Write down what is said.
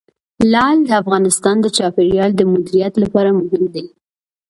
لعل د افغانستان د چاپیریال د مدیریت لپاره مهم دي.